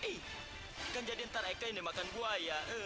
ih kan jadi ntar eka ini makan buaya